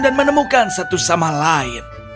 dan menemukan satu sama lain